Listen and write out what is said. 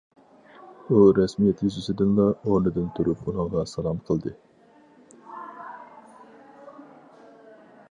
ئۇ رەسمىيەت يۈزىسىدىنلا ئورنىدىن تۇرۇپ ئۇنىڭغا سالام قىلدى.